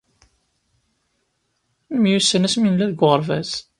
Nemyussan asmi nella deg uɣerbaz.